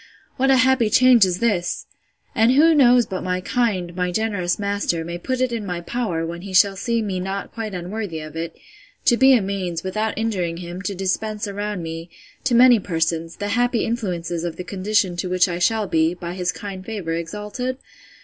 What a happy change is this! And who knows but my kind, my generous master, may put it in my power, when he shall see me not quite unworthy of it, to be a means, without injuring him, to dispense around me, to many persons, the happy influences of the condition to which I shall be, by his kind favour, exalted?